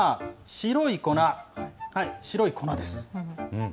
白い粉です。